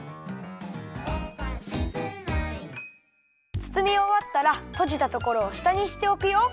つつみおわったらとじたところをしたにしておくよ。